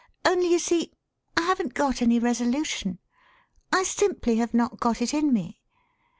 Only, you see, I haven't got any resolution. I simply have not got it in me.